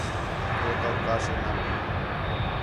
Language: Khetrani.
ہو تؤک کا شے نا بھی